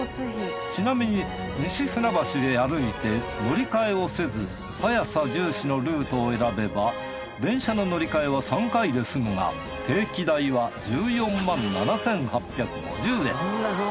ちなみに西船橋へ歩いて乗り換えをせず早さ重視のルートを選べば電車の乗り換えは３回で済むが定期代は１４万円７，８５０円。